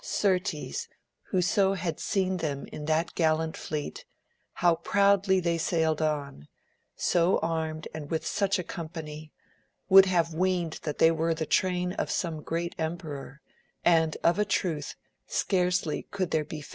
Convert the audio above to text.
Certes whoso had seen them in that gallant fleet, how proudly they sailed on, so armed and with such a company, would have weened that they were the train of some great emperor, and of a truth scarcely could there be